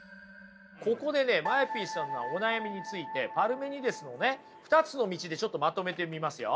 ここでＭＡＥＰさんのお悩みについてパルメニデスの２つの道でまとめてみますよ。